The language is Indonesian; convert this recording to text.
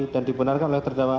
dan dibunarkan oleh terdakwa